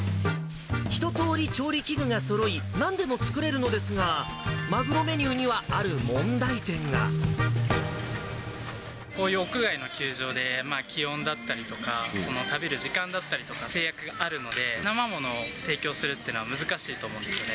ひととおり調理器具がそろい、なんでも作れるのですが、マグロこういう屋外の球場で、気温だったりとか、食べる時間だったりとか制約があるので、生ものを提供するっていうのは難しいと思うんですよね。